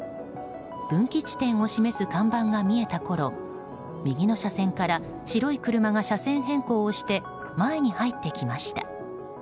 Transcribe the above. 分岐地点を示す看板が見えたころ右の車線から白い車が車線変更をして前に入ってきました。